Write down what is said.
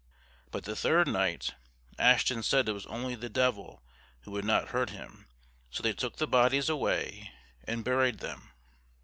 But the third night, Ashton said it was only the Devil, who would not hurt him; so they took the bodies away and buried them.